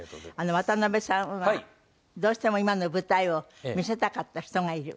渡辺さんはどうしても今の舞台を見せたかった人がいる。